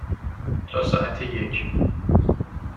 تا ساعت یک.